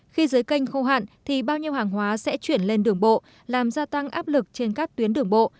khi dưới canh khô hạn thì bao nhiêu hàng hóa sẽ chuyển lên đường bộ làm gia tăng áp lực trên các tuyến đường bộ